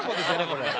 これ。